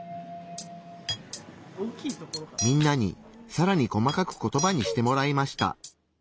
みんなにさらに細かくコトバにしてもらいました。